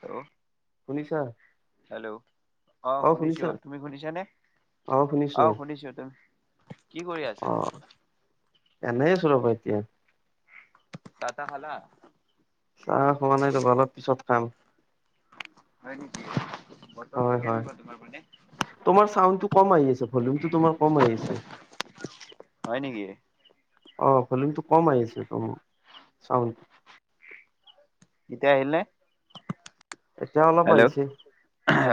অ', শুনিছা? হেল্ল' অ', শুনিছো তুমি শুনিছানে? অ শুনিছো অ'শুনিছো তুমি? কি কৰি অ আছা? এনেই আছো ৰ'বা এতিয়া। চাহ খালা? চাহ খোৱা নাই ৰ'বা অলপ পিছত খাম। হয় নেকি, বতৰটো হয় হয় কেনেকুৱা তোমাৰ পিনে? তোমাৰ চাউণ্ডটো কম আহি আছে, ভ'লিয়ামটো তোমাৰ কম আহি আছে। হয় নেকি? ভ'লিয়ামটো কম আহি আছে, তুমা চাউণ্ড। এতিয়া আহিল নে। এতিয়া অলপ হেল্ল' আহিছে-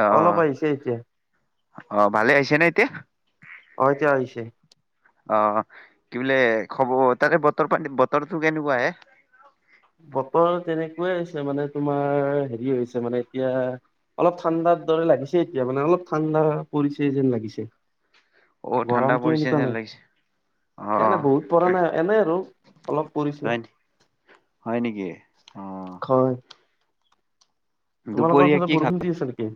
অ অলপ আহিছে এতিয়া। অ' ভালে আহিছেনে এতিয়া। অ' এতিয়া আহিছে। অ' কি বোলে খবৰ তাতে বতৰ পাতি বতৰটো কেনেকুৱা হে। বতৰ তেনেকুৱাই হৈছে মানে, তোমাৰ হেৰি হৈছে মানে এতিয়া অলপ ঠাণ্ডাৰ দৰে লাগিছে এতিয়া মানে অলপ ঠাণ্ডা পৰিছে যেন লাগিছে। অ ঠাণ্ডা গৰমটো পৰিছে এনেকোৱা যেন নাই। লাগিছে অ এ নাই বহুত পৰা নাই এনেই আৰু অলপ পৰিছে। হয় হয় নেকি, অ'। হয় তোমালোকৰ দুপৰীয়া ফালে কি খাল বৰষুণ দি আছে নেকি।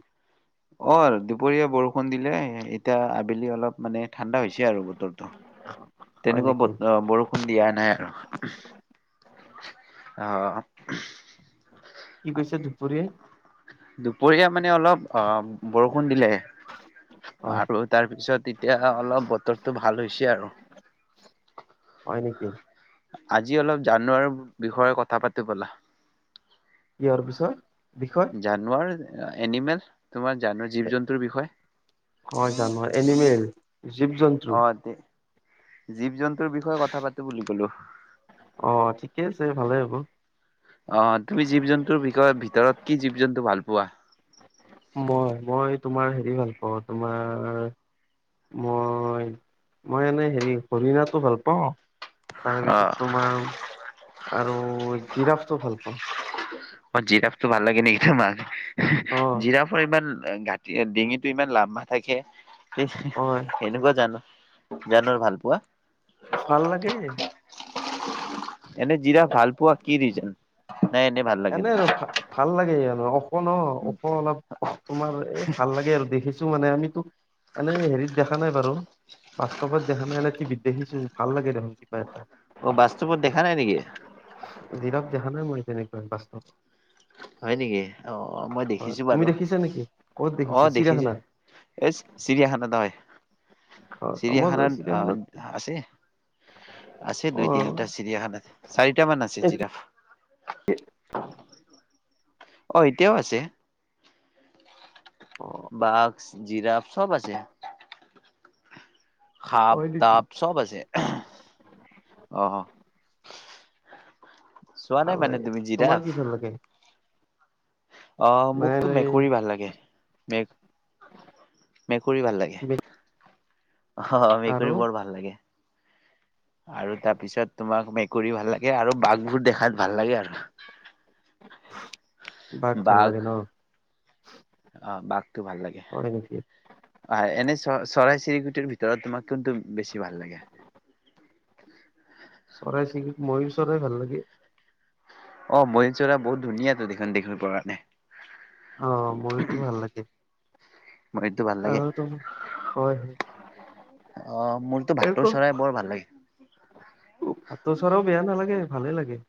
অ' দুপৰীয়া বৰষুণ দিলে, এতিয়া আবেলি অলপ মানে ঠাণ্ডা হৈছে আৰু বতৰটো। হয় তেনেকুৱা নেকি বত বৰষুণ দিয়া নাই আৰু। অ'। কি কৈছে দুপৰীয়া। দুপৰীয়া মানে অলপ অ বৰষুণ দিলে। হয় আৰু তাৰপিছত এতিয়া অলপ বতৰটো ভাল হৈছে আৰু। হয় নেকি। আজি অলপ জানোৱাৰৰ বিষয়ে কথা পাতো ব'লা। কিহৰ বিচয়। জানুৱাৰ এনিমেল। তোমাৰ জানো জীৱ জন্তুৰ বিষয়ে হয়, জানোৱাৰ এনিমেল, জীৱ অ জন্তু। তে জীৱ জন্তুৰ বিষয়ে কথা পাতো বুলি ক'লো। অ' ঠিকে আছে ভালে হ'ব। অ' তুমি জীৱ জন্তুৰ বিষয় ভিতৰত কি জীৱ জন্তু ভাল পোৱা। মই- মই তোমাৰ হেৰি ভাল পাওঁ তোমাৰ মই- মই এনেই হেৰি হৰিণাটো ভাল পাওঁ অ তাৰপিছত তোমাৰ আৰু জিৰাফটো ভাল পাওঁ। অ' জিৰাফটো ভাল লাগে নেকি তোমাৰ, অ জিৰাফৰ ইমান গাত ডিঙিটো ইমান লাম্বা থাকে, সেই হয় সেনেকুৱা জানো জানোৱাৰ ভাল পোৱা। ভাল লাগে। এনে জিৰাফ ভাল পোৱা কি ৰিজন। নাই এনে ভাল লাগে এনেই আৰু তোমাৰ? ভ ভাল লাগে ইয়াক। ওখ ন ওখ অলপ তোমাৰ এই ভাল লাগে আৰু দেখিছো মানে আমিতো এনে হেৰিত দেখা নাই বাৰু, বাস্তৱত দেখা নাই এনে টিভিত দেখিছো ভাল লাগে। দেখোন কিবা এটা অ' বাস্তবত দেখা নাই নেকি। জিৰাফ দেখা নাই মই তেনেকুৱা বাস্তব হয় নেকি অ', মই হয় দেখিছো তুমি বাৰু। দেখিছা নেকি ক'ত দেখিছা অ' দেখিছো চিৰিয়াখানাত এই চিৰিয়াখানাত, হয়। অ মই চিৰিয়াখানাত আ চিৰিয়াখানাত আছে। আছে অ দুই তিনিটা চিৰিয়াখানা চাৰিটা মান আছে। এইটো অ' এতিয়াও আছে। অ বাঘ, জিৰাফ চব আছে। সাপ হয় নেকি তাপ চব আছে অ। চোৱা নাই ভালে মানে তুমি তোমাৰ কি জিৰাফ। ভাল লাগে অ, মোকতো নাই মেকুৰী ভাল লাগে মেক মেকুৰী ভাল লাগে। অ' আৰু মেকুৰী বৰ ভাল লাগে। আৰু তাৰপিছত তোমাক মেকুৰী ভাল লাগে আৰু বাঘবোৰ দেখাত ভাল লাগে আৰু। ভাল লাগে বাঘ, ন অ' বাঘ। টো ভাল লাগে। অ, হয় নেকি এনে চ চৰাই চিৰিকটিৰ ভিতৰত তোমাক কোনটো বেছি ভাল লাগে। চৰাই চিৰি ময়ুৰ চৰাই ভাল লাগে। অ, ময়ুৰ চৰাই বহুত ধুনীয়া তো দেখোন দেখিব কাৰণে। অ, ময়ুৰতো ভাল লাগে। ময়ুৰটো ভাল লাগে আৰু তোমাৰ হয় হয়। অ, মোৰতো ভাটৌ চৰাই বৰ ভাল লাগে। ভাতৌ চৰাইও বেয়া নালাগে ভালে লাগে।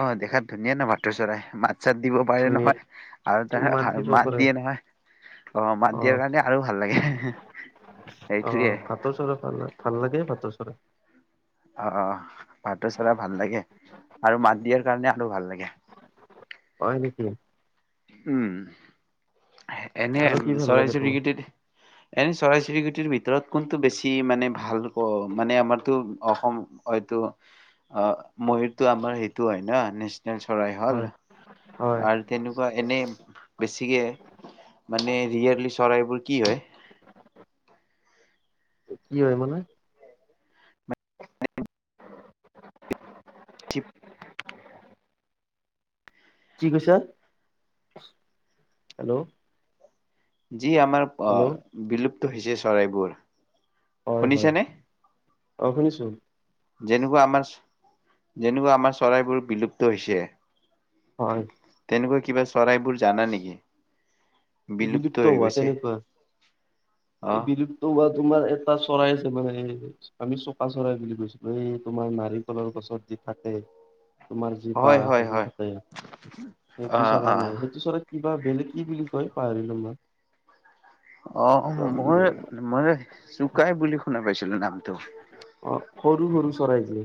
অ, দেখাত ধুনীয়া ন ভাটৌ চৰাই। মাত চাত দিব পাৰে ধুনীয়া নহয় আৰু তা দিব মাত পাৰে দিয়ে নহয়। অ, মাত দিয়াৰ কাৰণে আৰু ভাল লাগে। অ, সেইটোয়ে ভাটৌ চৰা ভাল ভাল লাগে ভাটৌ চৰাই। অ, ভাটৌ চৰাই ভাল লাগে আৰু মাত দিয়াৰ কাৰণে আৰু ভাল লাগে। হয় নেকি? উম। এনে আৰু কি ভাল চৰাই লাগে তোমাৰ চিৰিকটিত, এনে চৰাই চিৰিকটিৰ ভি ভিতৰত কোনটো বেছি মানে ভাল ক মানে আমাৰতো অসম হয়তো অ, ময়ুৰটো আমাৰ সেইটো হয় ন নিচ চনেল চৰাই হ'ল হয় হয় আৰু তেনেকুৱা এনে বেছিকে মানে ৰিয়েলি চৰাইবোৰ কি হয়। কি হয় মানে। কি কৈছা? হেল্ল' যি আমাৰ হেল্ল' বিলুপ্ত হৈছে চৰাইবোৰ। হয়, হয়, শুনিছেনে অ' শুনিছো। যেনেকুৱা আমাৰ, যেনেকুৱা আমাৰ চৰাইবোৰ বিলুপ্ত হৈছে। হয় তেনেকুৱা কিবা চৰাইবোৰ জানা নেকি? বিলুপ্ত হৈ হোৱা গৈছে তেনেকুৱা। অ এই বিলুপ্ত হোৱা তোমাৰ এটা চৰাই আছে মানে আমি চকা চৰাই বুলি কৈছিলো এই তোমাৰ নাৰিকলৰ গছত থাকে। তোমাৰ যি হয় বাহ হয় সাজি হয় থাকে সেইটো অ চৰাই অ নাই সেইটো চৰাই কিবা বেলেগ কি বুলি কয় পাহৰিলো মানে অ, মই মই চুকাই বুলি শুনা পাইছো। চিলো নামটো। অ সৰু সৰু চৰাই যে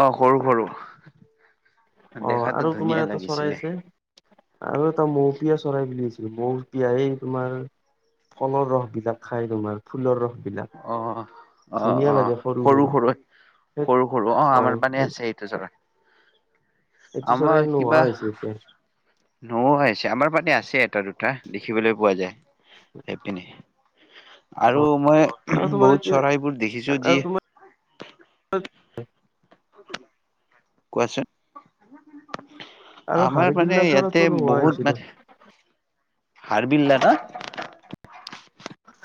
অ, সৰু সৰু অ আৰু দেখাতো তোমাৰ ধুনীয়া এটা চৰাই লাগিছিলে। আছে আৰু এটা মৌপিয়া চৰাই বুলি আছে। মৌপিয়ায়ে তোমাৰ ফলৰ ৰস বিলাক খায় তোমাৰ ফুলৰ ৰস বিলাক অ, অ, অ, অ, সৰু সৰু। সেই সৰু সৰু অ, হয় আমাৰ ইপানে সেই আছে সেইটো চৰাই। এইটো আমাৰ চৰাই কিবা নোহোৱা হৈছে এতিয়া। নোহোৱা হৈছে আমাৰ পানে আছে এটা দুটা দেখিবলৈ পোৱা যায় সেইপিনে। আৰু মই আৰু তোমাৰ বহুত এতিয়া চৰাইবোৰ দেখিছো আৰু যি তোমাৰ কোৱাচোন আৰু আমাৰ মানে হাৰগিল্লা ইয়াতে চৰাইটো নোহোৱা হৈছে বহুত দে মানে হাৰবিল্লা ন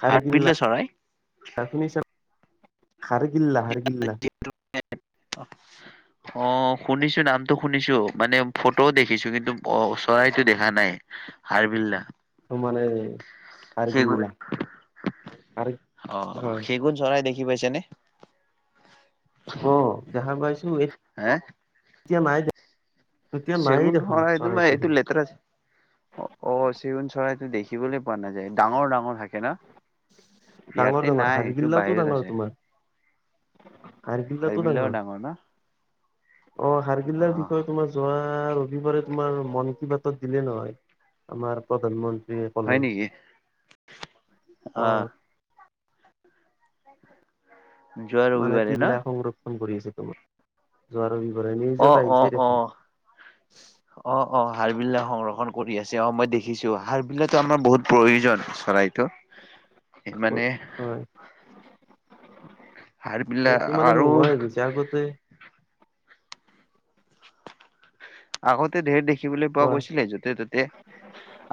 কাৰগিল্লিছ খাৰগিল্লাৰ [unintelligible] ইল অ শুনিছো, নামটো শুনিছো মানে ফটোও দেখিছো কিন্তু একদম অ চৰাইতো দেখা নাই হাৰ বিল্লা ত মানে সগা অ সেইগুণ চৰাই দেখি পাইছেনে। অ দেখা পাইছো। হা এতিয়া নাই দে এতিয়া নাই চেগুন দেখোন চৰাই তমাৰ চৰাইটো এইটো লেতেৰা আছে অ চেগুন চৰাই দেখিবলৈ পোৱা নাযায়। ডাঙৰ ডাঙৰ থাকে ন ডাঙৰ ইয়াতে ডাঙৰ নাই সটো হাৰগিল্লাটো বাহিৰত ডাঙৰ আছে তোমাৰ আৰু বিল ডাঙৰ ন অ অ হাৰগিল্লাৰ বিষয়ে তোমাৰ যোৱা ৰবিবাৰে তোমাৰ মন কি বাতত দিলে নহয় আমাৰ প্ৰধানমন্ত্ৰীয়ে ক'লে আহ। হয় যোৱা মানে ৰবিবাৰে ন তিলাই সংৰক্ষণ কৰি আছে তোমাৰ জোৱাৰ অ, অ, অ, অ, অ হাল বিলাক সংৰক্ষণ কৰি আছে অ মই দেখিছো হাৰ বিলাকো আমাৰ বহুত প্ৰয়োজন চৰাইটো মানে হয় সাৰ বিলাক এইটো মানে আৰু নোহোৱা হৈ গৈছে আগতে আগতে ধেৰ দেখিবলৈ পোৱা কোৱা গৈছিলে য'তে ত'তে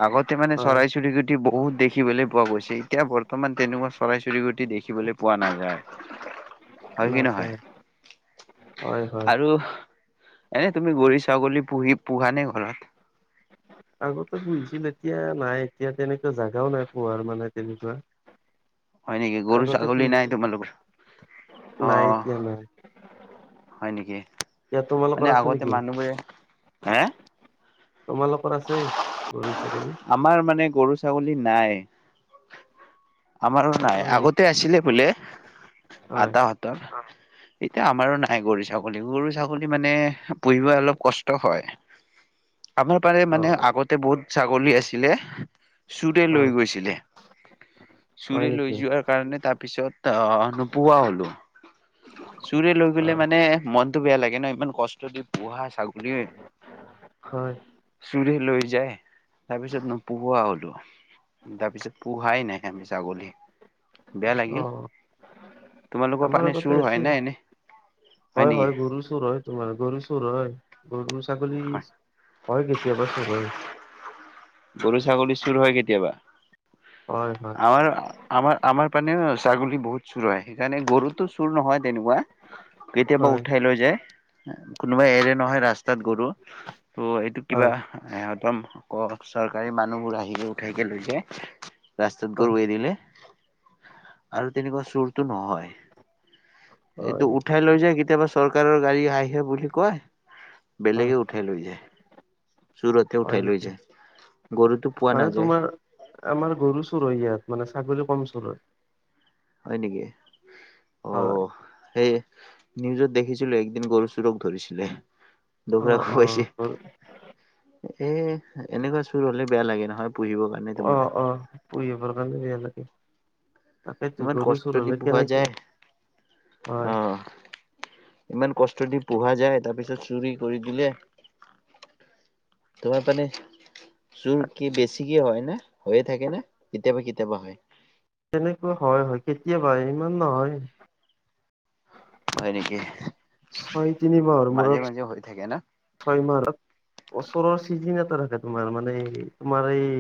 আগতে মানে হয় চৰাই চিৰিকুটি বহুত দেখিবলে পোৱা গৈছে। এতিয়া বৰ্তমান তেনেকুৱা চৰাই চিৰিকু দেখিবলৈ পোৱা নাযায়। হয় কি নহয় নাচায় হয় হয় আৰু এনে তুমি গৰিছ [unintelligible] ছাগলী পুহি পোহা নে ঘৰত আগতে পুহিছিল এতিয়া নাই এতিয়া তেনেকুৱা জাগাও নাই পোহাৰ মানে তেনেকুৱা হয় নেকি গৰু আগতে ছাগলী নাই পুহিছিল তোমালোকৰ অ নাই এতিয়া নাই হয় নেকি এতিয়া তোমালোকৰ মানে আছে আগতে নেকি মানুহবোৰে হে তোমালোকৰ আছে গৰু ছাগলী আমাৰ মানে গৰু ছাগলী নাই। আমাৰো নাই হয় নেকি আগতে আছিলে বোলে। হয় আতাহতৰ এতিয়া আমাৰো নাই গৰু ছাগলী, গৰু ছাগলী মানে পুহিব অলপ কষ্ট হয়। আমাৰ পাৰে [unintelligible] অ মানে অ আগতে বহুত ছাগলী আছিলে। চুৰে লৈ হয় গৈছিলে। হয় চুৰে লৈ নেকি যোৱাৰ কাৰণে তাৰপিছত আহ নোপোহা হলো চুৰে লৈ অ গলে মানে মনতটো বেয়া লাগে ন। ইমান কষ্ট দি পোহা ছাগলী হয় চুৰে লৈ যায় তাৰপিছত নোপোহোৱা হলো। তাৰপিছত পুহাই নাই আমি ছাগলী বেয়া অ লাগিল তোমালোকৰ আমাৰ পানী আগতে চুৰ হয় আছিল নাই এনেই হয়, হয় গৰু চুৰ হয় তোমাৰ গৰু চুৰ হয় গৰু ছাগলী হয় কেতিয়াবা চুৰ হয় গৰু ছাগলী চুৰ হয় কেতিয়াবা হয় হয় আমাৰ, আমাৰ আমাৰ পেনে ছাগলী বহুত চুৰ হয় সেইকাৰণে গৰুতো চুৰ নহয় তেনেকুৱা কেতিয়াবা হয় উঠাই লৈ যায়। কোনোবাই এৰে নহয় ৰাস্তাত গৰু ত এইটো হয় কিবাহদম অক চৰকাৰী মানুহবোৰ আহিলে উঠাইকে লৈ যায় ৰাস্তাত গৰু এৰিলে। আৰু তেনেকুৱা চুৰতটো নহয়। হয় এইটো হয় উঠাই লৈ যায় কেতিয়াবা চৰকাৰৰ গাড়ী আহে বুলি কয় হয় বেলেগে উঠাই লৈ যায়। সুৰতে হয় উঠাই‌ লৈ নেকি যায়। গৰুটো পোৱা মানে নাযায় তোমাৰ আমাৰ গৰু চুৰ হয় ইয়াত মানে চাগলি কম চুৰ হয়। হয় নেকি অ, হয় সেই নিউজত দেখিছিলো একদিন গৰু চুৰক ধৰিছিলে। অ দঘৰাৰাকো অ পৈছে গৰু এ এনেকুৱা চুৰ হলে। বেয়া লাগে নহয় পুহিব কাৰণে এটো অ মানে। অ পুহিবৰ কাৰণে বেয়া লাগে তাকেতো ইমান গৰু কষ্ট চুৰ দি হলে পহোৱা কেনেকে যায়। অ হয় ইমান কষ্ট দি পোহা যায় তাৰপিছত চুৰি কৰি দিলে তোমাৰ পান চোৰ কি বেছিকে হয় নে, হৈয়ে থাকে নে কেতিয়াবা, কেতিয়াবা হয়। এনেকুৱা হয় হয় কেতিয়াবা ইমান নহয় হয় নেকি ছয় তিনি বাৰ মাজে মূৰত মাজে হৈ থাকে ন ছয় মাহত ওচৰৰ চিজন এটা থাকে তোমাৰ মানে তোমাৰ এই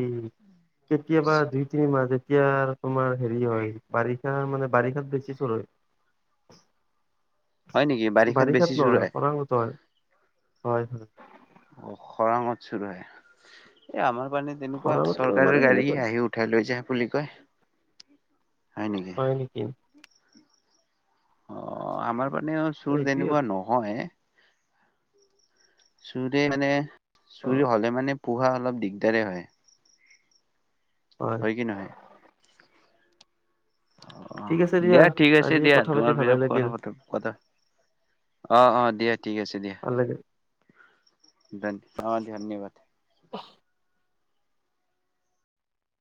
কেতিয়াবা দুই তিনি মাজে এতিয়া তোমাৰ হেৰি হয় বাৰিষা মানে বাৰিষাত বেছি চোৰ হয় হয় নেকি বেছি বাৰিষাত চুৰ নহয় হয় খৰাংত হয় হয় হয় অ খৰাঙত চোৰ হয় এই আমাৰ তেনেকুৱা খৰাঙত মানে চৰকাৰে গাড়ী সেনেকুৱাই আহি উঠাই লৈ য বুলি কয় হয় নেকি অ আমাৰ মানেও চোৰ এইটোয়ে তেনেকুৱা আৰু নহয় চোৰে মানে অ চৰি হ'লে মানে পোহা অলপ দিগদাৰে হয় হয় কি নহয় অ ঠিক আছে দিয়া ঠিক আছে আজি দিয়া কথা পাতি তোমাৰ ভালে পিছত লাগিল কথা পা কথা আহ অ দিয়া ঠিক আছে দিয়া। ভাল লাগিল। ধন অ ধন্যবাদ। আহ